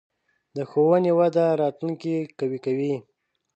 د ښوونې وده راتلونکې قوي کوي.